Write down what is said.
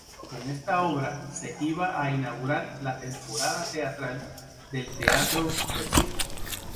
Con esta obra se iba a inaugurar la temporada teatral del Teatro del Circo.